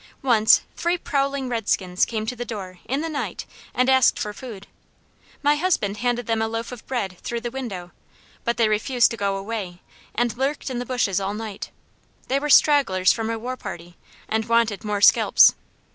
"Once three prowling red skins came to the door, in the night, and asked for food. My husband handed them a loaf of bread through the window, but they refused to go away and lurked in the bushes all night; they were stragglers from a war party, and wanted more scalps.